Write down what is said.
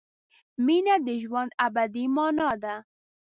مینه د ژوند ابدي مانا ده.